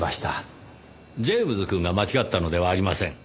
ジェームズくんが間違ったのではありません。